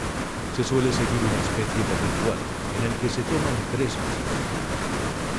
Se suele seguir una especie de ritual, en el que se toman tres vasos.